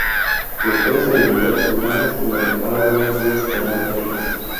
Los puedes alimentar con algas y al cabo de unos días te dan perlas.